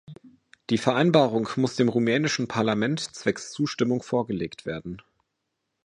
Die Vereinbarung muss dem rumänischen Parlament zwecks Zustimmung vorgelegt werden.